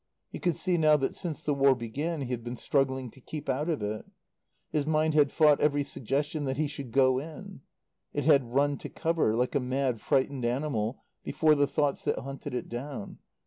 He could see now that, since the War began, he had been struggling to keep out of it. His mind had fought every suggestion that he should go in. It had run to cover, like a mad, frightened animal before the thoughts that hunted it down.